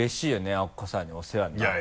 アッコさんにお世話になってるから。